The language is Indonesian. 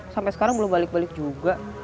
sampai sekarang belum balik balik juga